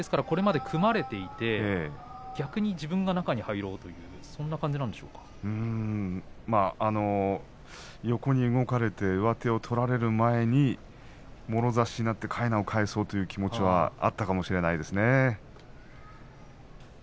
これまで組まれていて今場所は自分が中に入ろうという横に動かれて上手を取られるよりはもろ差しになってかいなを返そうという気持ちがあったかもしれませんね。